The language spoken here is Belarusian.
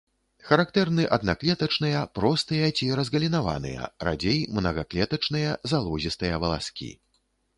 Характэрны аднаклетачныя, простыя ці разгалінаваныя, радзей мнагаклетачныя, залозістыя валаскі.